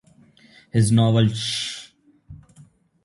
His novel Shh!